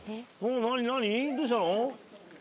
どうしたの？